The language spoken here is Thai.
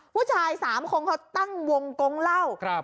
ผู้ชายสามคนเค้าตั้งวงตรงเล่า